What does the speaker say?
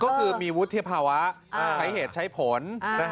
ก็คือมีวุฒิภาวะใช้เหตุใช้ผล